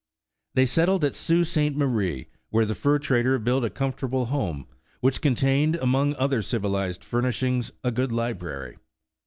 They settled at Sault Sainte Marie, where the fur trader built a com fortable home, which contained, among other civilized furnishings, a good library.